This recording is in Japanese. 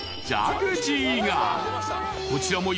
［こちらも］